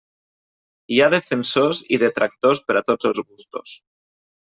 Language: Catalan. Hi ha defensors i detractors per a tots els gustos.